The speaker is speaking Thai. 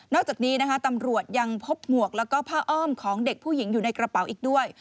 จากนี้นะคะตำรวจยังพบหมวกแล้วก็ผ้าอ้อมของเด็กผู้หญิงอยู่ในกระเป๋าอีกด้วย